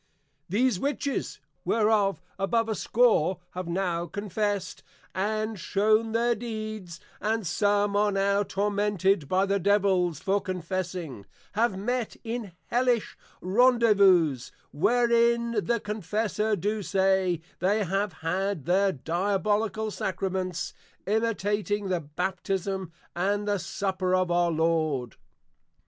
These Witches, whereof above a Score have now Confessed, and shown their Deeds, and some are now tormented by the Devils, for Confessing, have met in Hellish Randezvouzes, wherein the Confessors do say, they have had their diabolical Sacraments, imitating the Baptism and the Supper of our Lord.